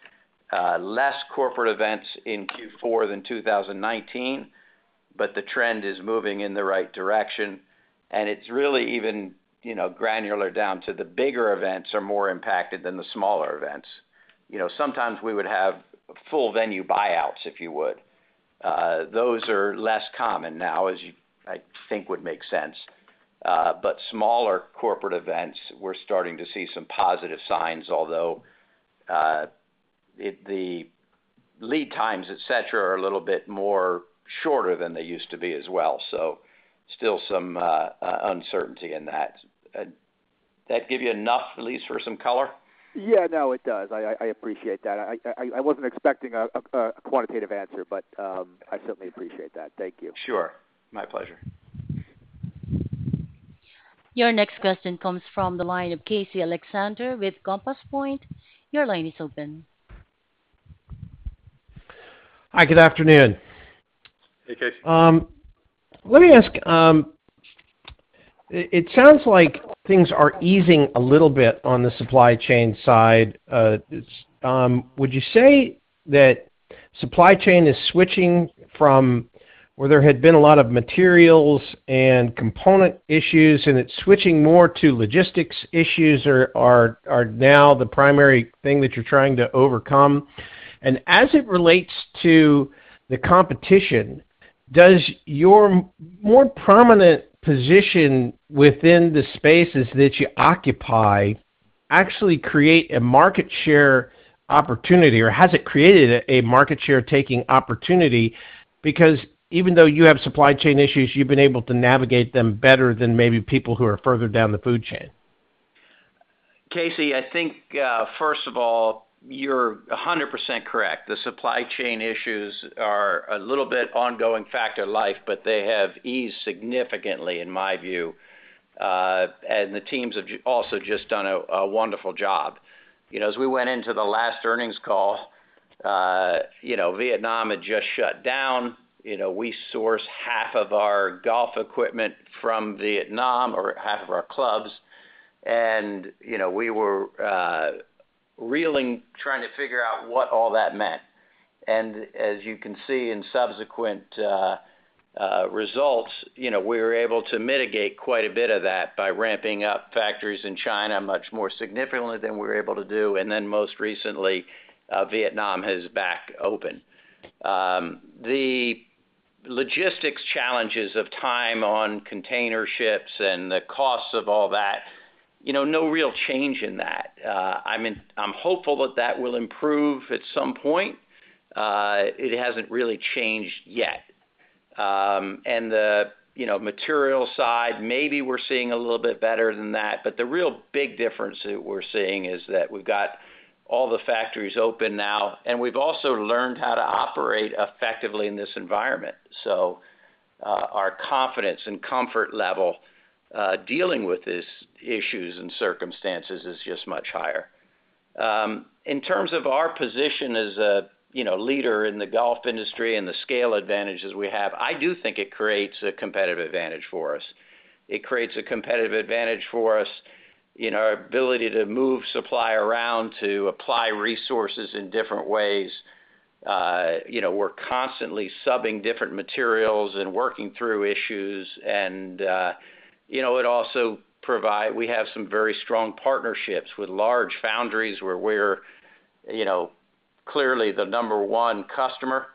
less corporate events in Q4 than 2019, but the trend is moving in the right direction. It's really even, you know, granular down to the bigger events are more impacted than the smaller events. You know, sometimes we would have full venue buyouts, if you would. Those are less common now, as you I think would make sense. But smaller corporate events, we're starting to see some positive signs, although the lead times, et cetera, are a little bit more shorter than they used to be as well. Still some uncertainty in that. That give you enough at least for some color? Yeah. No, it does. I wasn't expecting a quantitative answer, but I certainly appreciate that. Thank you. Sure. My pleasure. Your next question comes from the line of Casey Alexander with Compass Point. Your line is open. Hi, good afternoon. Hey, Casey. Let me ask, it sounds like things are easing a little bit on the supply chain side. Would you say that supply chain is switching from where there had been a lot of materials and component issues and it's switching more to logistics issues are now the primary thing that you're trying to overcome? As it relates to the competition, does your more prominent position within the spaces that you occupy actually create a market share opportunity, or has it created a market share taking opportunity? Because even though you have supply chain issues, you've been able to navigate them better than maybe people who are further down the food chain. Casey, I think, first of all, you're 100% correct. The supply chain issues are a little bit of an ongoing factor, like, but they have eased significantly in my view. The teams have also just done a wonderful job. You know, as we went into the last earnings call, you know, Vietnam had just shut down. You know, we source half of our golf equipment from Vietnam or half of our clubs and, you know, we were reeling trying to figure out what all that meant. As you can see in subsequent results, you know, we were able to mitigate quite a bit of that by ramping up factories in China much more significantly than we were able to do. Then most recently, Vietnam has opened back up. The logistics challenges of time on container ships and the costs of all that, you know, no real change in that. I'm hopeful that will improve at some point. It hasn't really changed yet. The material side, you know, maybe we're seeing a little bit better than that, but the real big difference that we're seeing is that we've got all the factories open now, and we've also learned how to operate effectively in this environment. Our confidence and comfort level dealing with these issues and circumstances is just much higher. In terms of our position as a leader in the golf industry and the scale advantages we have, I do think it creates a competitive advantage for us. It creates a competitive advantage for us in our ability to move supply around, to apply resources in different ways. You know, we're constantly subbing different materials and working through issues and we have some very strong partnerships with large foundries where we're, you know, clearly the number one customer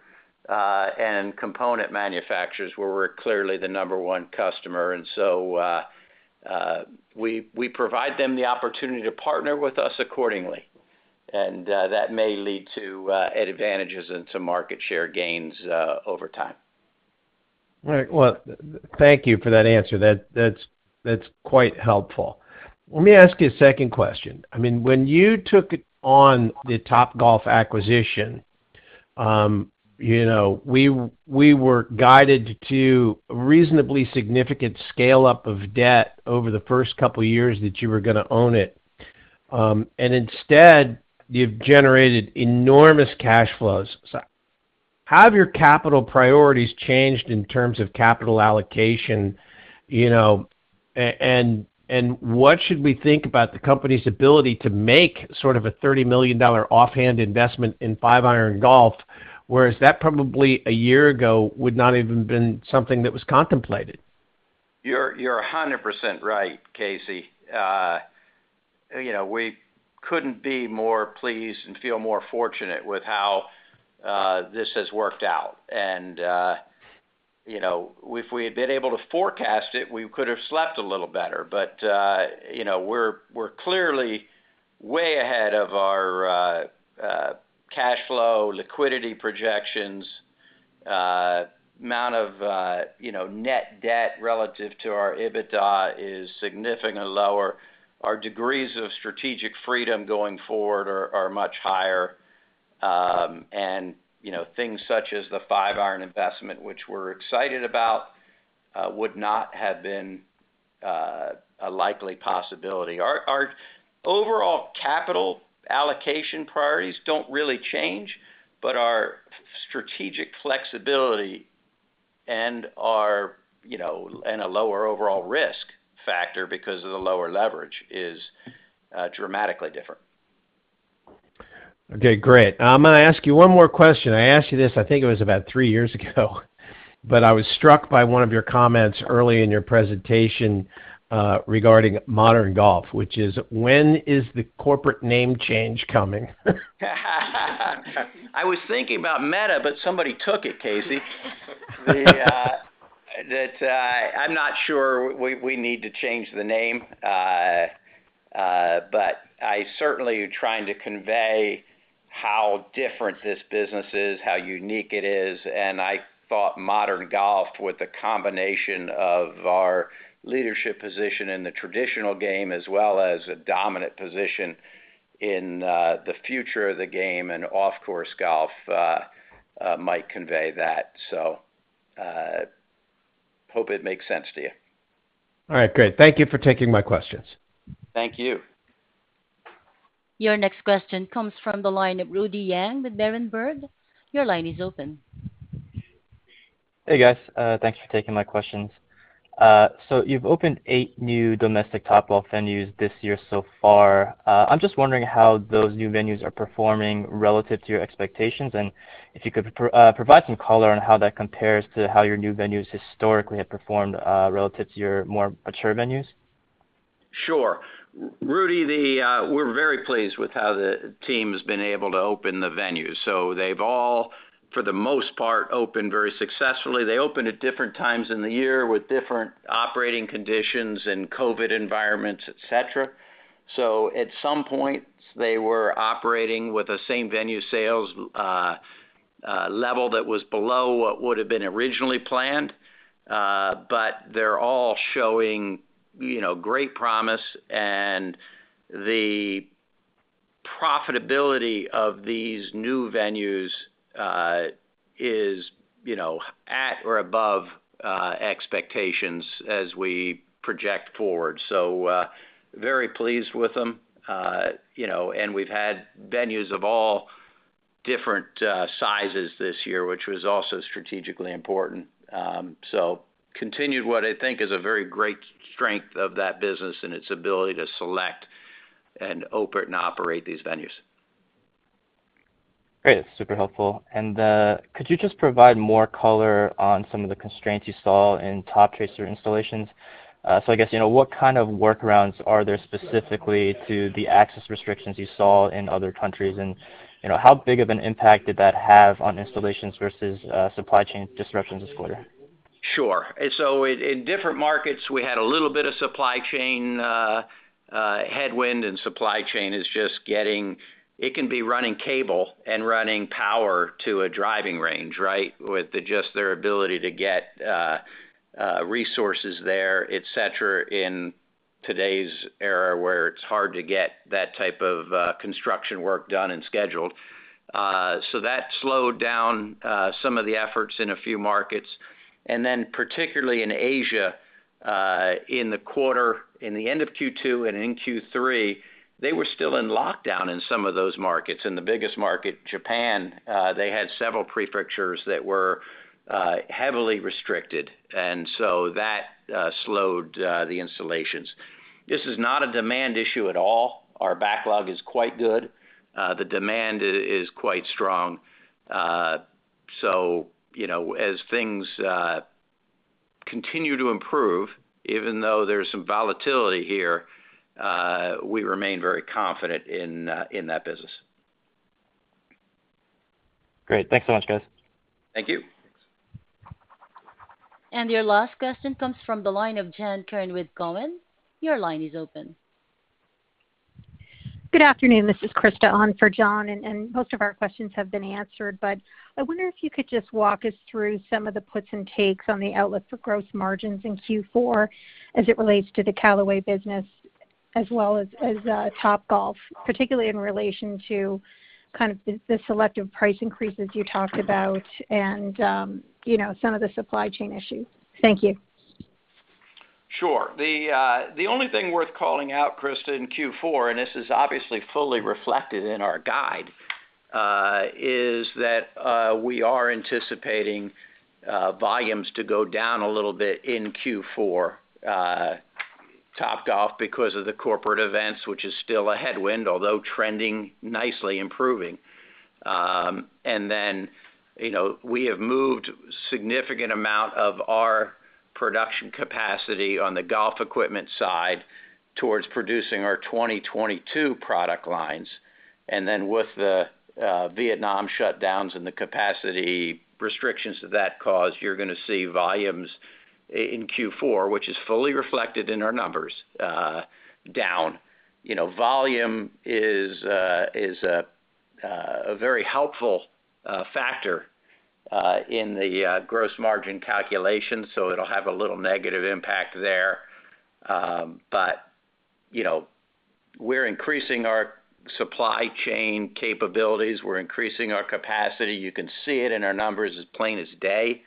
and component manufacturers where we're clearly the number one customer. We provide them the opportunity to partner with us accordingly. That may lead to advantages and some market share gains over time. All right. Well, thank you for that answer. That's quite helpful. Let me ask you a second question. I mean, when you took on the Topgolf acquisition, you know, we were guided to reasonably significant scale-up of debt over the first couple of years that you were gonna own it. And instead, you've generated enormous cash flows. Have your capital priorities changed in terms of capital allocation, you know, and what should we think about the company's ability to make sort of a $30 million offhand investment in Five Iron Golf, whereas that probably a year ago would not even been something that was contemplated. You're 100% right, Casey. You know, we couldn't be more pleased and feel more fortunate with how this has worked out. You know, if we had been able to forecast it, we could have slept a little better. You know, we're clearly way ahead of our cash flow, liquidity projections. Amount of, you know, net debt relative to our EBITDA is significantly lower. Our degrees of strategic freedom going forward are much higher. You know, things such as the Five Iron investment, which we're excited about, would not have been a likely possibility. Our overall capital allocation priorities don't really change, but our strategic flexibility and our, you know, and a lower overall risk factor because of the lower leverage is dramatically different. Okay, great. I'm gonna ask you one more question. I asked you this, I think it was about three years ago, but I was struck by one of your comments early in your presentation, regarding Modern Golf, which is, when is the corporate name change coming? I was thinking about Meta, but somebody took it, Casey. I'm not sure we need to change the name. I'm certainly trying to convey how different this business is, how unique it is. I thought Modern Golf, with a combination of our leadership position in the traditional game, as well as a dominant position in the future of the game and off-course golf, might convey that. I hope it makes sense to you. All right, great. Thank you for taking my questions. Thank you. Your next question comes from the line of Rudy Yang with Berenberg. Your line is open. Hey, guys. Thanks for taking my questions. You've opened eight new domestic Topgolf venues this year so far. I'm just wondering how those new venues are performing relative to your expectations, and if you could provide some color on how that compares to how your new venues historically have performed, relative to your more mature venues. Sure. Rudy, we're very pleased with how the team's been able to open the venues. They've all, for the most part, opened very successfully. They opened at different times in the year with different operating conditions and COVID environments, et cetera. At some point, they were operating with the same venue sales level that was below what would have been originally planned. They're all showing, you know, great promise, and the profitability of these new venues is, you know, at or above expectations as we project forward. Very pleased with them. You know, and we've had venues of all different sizes this year, which was also strategically important. Continued what I think is a very great strength of that business and its ability to select and open and operate these venues. Great. Super helpful. Could you just provide more color on some of the constraints you saw in Toptracer installations? I guess, you know, what kind of workarounds are there specifically to the access restrictions you saw in other countries? You know, how big of an impact did that have on installations versus supply chain disruptions this quarter? Sure. In different markets, we had a little bit of supply chain headwind, and supply chain is just running cable and running power to a driving range, right? With just their ability to get resources there, et cetera, in today's era, where it's hard to get that type of construction work done and scheduled. That slowed down some of the efforts in a few markets. Particularly in Asia, in the quarter, in the end of Q2 and in Q3, they were still in lockdown in some of those markets. In the biggest market, Japan, they had several prefectures that were heavily restricted, and so that slowed the installations. This is not a demand issue at all. Our backlog is quite good. The demand is quite strong. You know, as things continue to improve, even though there's some volatility here, we remain very confident in that business. Great. Thanks so much, guys. Thank you. Your last question comes from the line of John Kernan with Cowen. Your line is open. Good afternoon. This is Krista on for John Kernan, and most of our questions have been answered, but I wonder if you could just walk us through some of the puts and takes on the outlook for gross margins in Q4 as it relates to the Callaway business as well as Topgolf, particularly in relation to kind of the selective price increases you talked about and you know, some of the supply chain issues. Thank you. Sure. The only thing worth calling out, Krista, in Q4, and this is obviously fully reflected in our guide, is that we are anticipating volumes to go down a little bit in Q4, Topgolf because of the corporate events, which is still a headwind, although trending nicely, improving. You know, we have moved significant amount of our production capacity on the golf equipment side towards producing our 2022 product lines. With the Vietnam shutdowns and the capacity restrictions that that caused, you're gonna see volumes in Q4, which is fully reflected in our numbers, down. You know, volume is a very helpful factor in the gross margin calculation, so it'll have a little negative impact there. You know, we're increasing our supply chain capabilities. We're increasing our capacity. You can see it in our numbers as plain as day.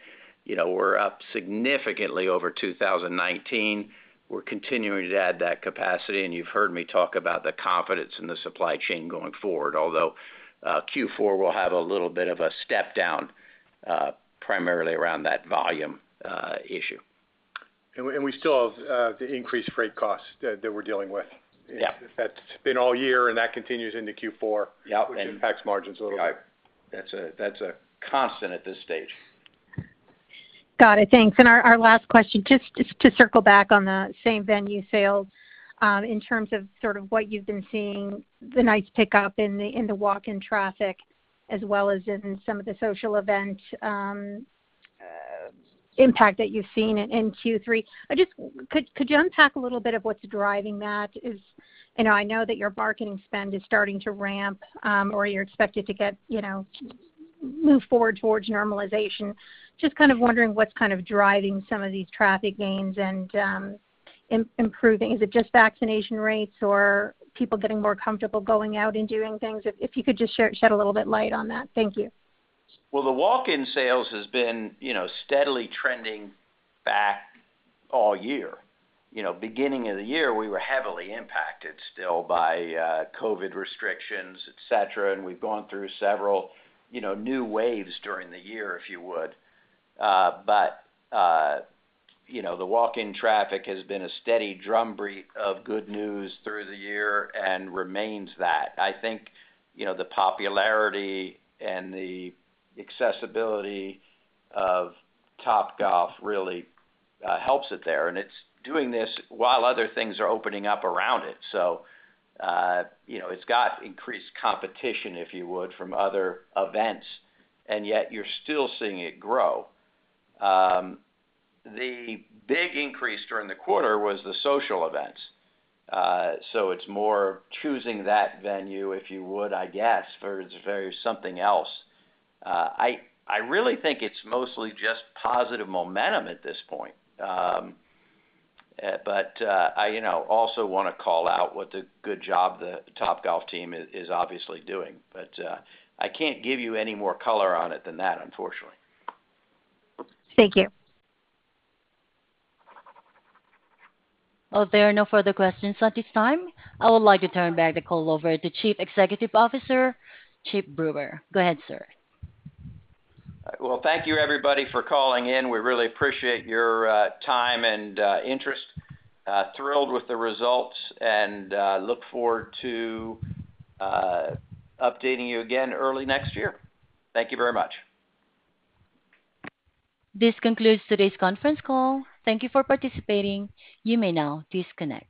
You know, we're up significantly over 2019. We're continuing to add that capacity, and you've heard me talk about the confidence in the supply chain going forward. Although, Q4 will have a little bit of a step down, primarily around that volume, issue. We still have the increased freight costs that we're dealing with. Yeah. That's been all year, and that continues into Q4. Yeah. which impacts margins a little. That's a constant at this stage. Got it. Thanks. Our last question, just to circle back on the same-venue sales, in terms of sort of what you've been seeing, the nice pickup in the walk-in traffic as well as in some of the social event impact that you've seen in Q3. Could you unpack a little bit of what's driving that? You know, I know that your marketing spend is starting to ramp, or you're expected to get, you know, move forward towards normalization. Just kind of wondering what's kind of driving some of these traffic gains and improving. Is it just vaccination rates or people getting more comfortable going out and doing things? If you could just shed a little light on that. Thank you. Well, the walk-in sales has been, you know, steadily trending back all year. You know, beginning of the year, we were heavily impacted still by COVID restrictions, et cetera, and we've gone through several, you know, new waves during the year, if you would. You know, the walk-in traffic has been a steady drumbeat of good news through the year and remains that. I think, you know, the popularity and the accessibility of Topgolf really helps it there, and it's doing this while other things are opening up around it. You know, it's got increased competition, if you would, from other events, and yet you're still seeing it grow. The big increase during the quarter was the social events. It's more choosing that venue, if you would, I guess, versus something else. I really think it's mostly just positive momentum at this point. I, you know, also wanna call out what a good job the Topgolf team is obviously doing. I can't give you any more color on it than that, unfortunately. Thank you. Well, there are no further questions at this time. I would like to turn back the call over to Chief Executive Officer, Chip Brewer. Go ahead, sir. Well, thank you, everybody, for calling in. We really appreciate your time and interest. Thrilled with the results and look forward to updating you again early next year. Thank you very much. This concludes today's conference call. Thank you for participating. You may now disconnect.